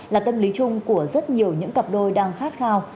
là tâm lý chung của rất nhiều những cặp đôi đang khát khao